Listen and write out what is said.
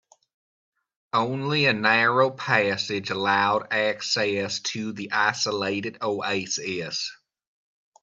Only a narrow passage allowed access to the isolated oasis.